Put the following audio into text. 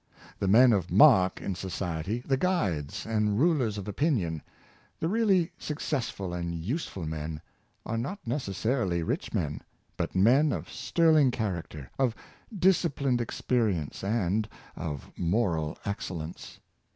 The men of mark in society — the guides and rulers of opin ion— the really successful and useful men — are not nec essarily rich men; but men of sterling character, of dis ciplined experience, and of moral excellence.